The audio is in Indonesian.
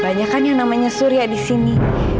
banyakannya namanya surya disini